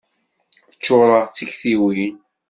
Ččureɣ d tiktiwin.